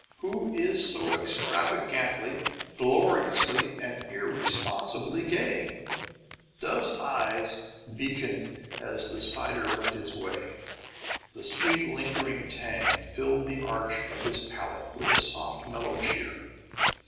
Who is so extravagantly, gloriously, and irresponsibly gay? Dove's eyes beaconed as the cider went its way. The sweet lingering tang filled the arch of his palate with a soft mellow cheer.